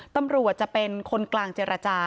ตำรวจจะเป็นคนกลางเจรจา